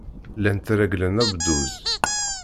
Llan regglen abduz.